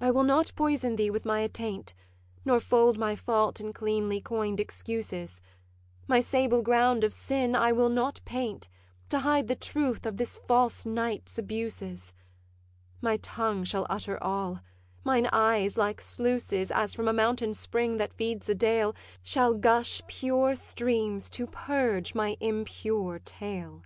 'I will not poison thee with my attaint, Nor fold my fault in cleanly coin'd excuses; My sable ground of sin I will not paint, To hide the truth of this false night's abuses: My tongue shall utter all; mine eyes, like sluices, As from a mountain spring that feeds a dale, Shall gush pure streams to purge my impure tale.'